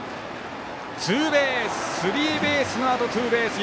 スリーベースのあとツーベース。